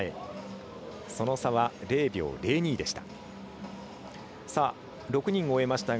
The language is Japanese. その差は０秒０２でした。